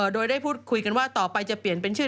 โดยได้พูดคุยกันว่าต่อไปจะเปลี่ยนเป็นชื่อ